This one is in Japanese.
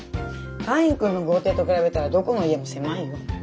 カインくんの豪邸と比べたらどこの家も狭いよ。